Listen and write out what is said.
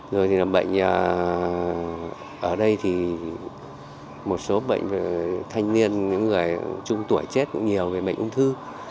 rồi thì là bệnh ở đây thì một số bệnh thanh niên những người trung tuổi chết cũng nhiều về bệnh ung thư